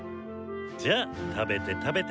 じゃあ食べて食べて！